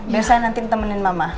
biar saya nanti temenin mama